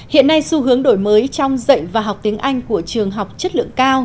hiện nay xu hướng đổi mới trong dạy và học tiếng anh của trường học chất lượng cao